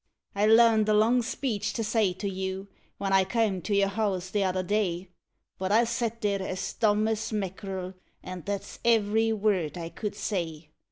I learned a long speech to say to you When I came to your house t'other day, But I sat there as dumb as mackerel, And that's every word I could say.